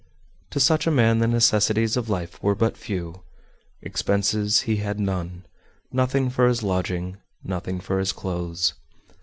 To such a man the necessaries of life were but few; expenses he had none nothing for his lodging, nothing for his clothes.